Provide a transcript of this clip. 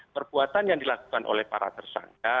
perbuatan yang dilakukan oleh para tersangka